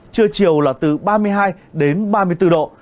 trưa chiều là từ ba mươi hai đến ba mươi bốn độ